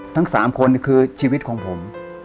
ทั้ง๓คนคือชีวิตของผม